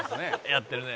「やってるね」